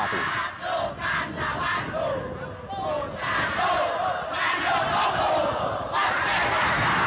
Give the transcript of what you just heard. satu kata waktu pusatmu mandukmu persebaya